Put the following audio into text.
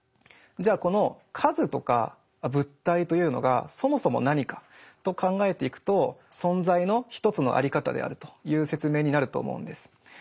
じゃあこの数とか物体というのがそもそも何かと考えていくと「存在」の一つのあり方であるという説明になると思うんです。